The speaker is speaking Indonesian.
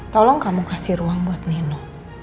tolong kamu kasih ruang buat neno